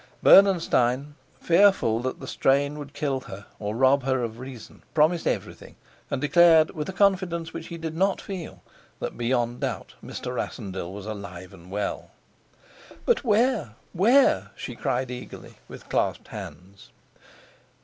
Bernenstein, fearful that the strain would kill her, or rob her of reason, promised everything; and declared, with a confidence which he did not feel, that beyond doubt Mr. Rassendyll was alive and well. "But where where?" she cried eagerly, with clasped hands.